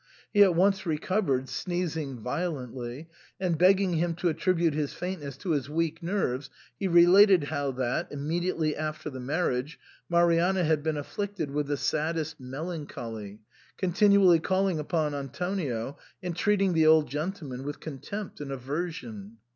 He at once recovered, sneezing violently, and begging him to attribute his faintness to his weak nerves, he related how that, immediately after the mar riage, Marianna had been afHicted with the saddest mel ancholy, continually calling upon Antonio, and treating the old gentleman with contempt and aversion.